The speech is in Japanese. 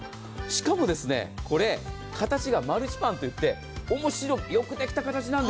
しかも、形がマルチパンといって、面白く、よくできた形なんです。